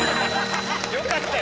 よかったよ。